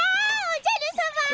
おじゃるさま！